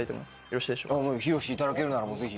披露していただけるならぜひ。